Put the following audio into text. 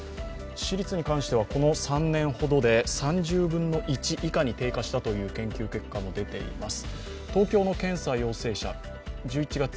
致死率に関してはこの３年ほどで３分の１以下に低下したという研究結果も出ています。